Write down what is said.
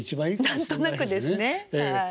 何となくですねはい。